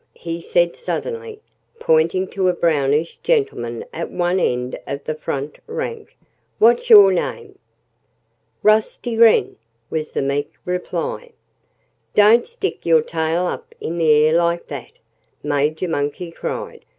he said suddenly, pointing to a brownish gentleman at one end of the front rank. "What's your name?" "Rusty Wren!" was the meek reply. "Don't stick your tail up in the air like that!" Major Monkey cried.